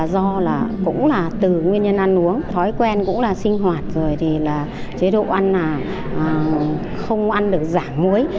do là cũng là từ nguyên nhân ăn uống thói quen cũng là sinh hoạt rồi thì là chế độ ăn không ăn được giảm muối